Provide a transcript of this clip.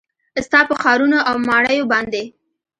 ستا په ښارونو او ماڼیو باندې